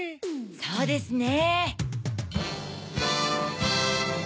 そうですね。